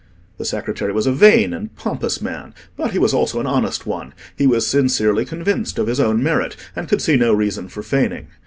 The secretary was a vain and pompous man, but he was also an honest one: he was sincerely convinced of his own merit, and could see no reason for feigning.